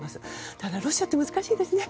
ただ、ロシアって難しいですね。